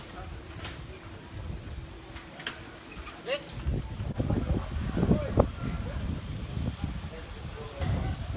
สวัสดีครับคุณผู้ชาย